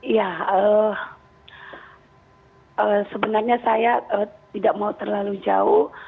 ya sebenarnya saya tidak mau terlalu jauh